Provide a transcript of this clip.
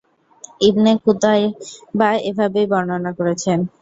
Ibn Qutayba এভাবেই বর্ণনা করেছেন।